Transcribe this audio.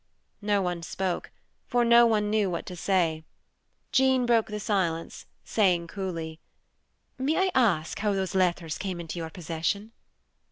No one spoke, for no one knew what to say. Jean broke the silence, saying coolly, "May I ask how those letters came into your possession?"